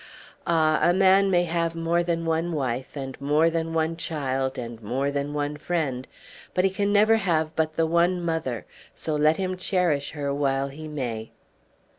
Ah! a man may have more than one wife, and more than one child, and more than one friend; but he can never have but the one mother, so let him cherish her while he may.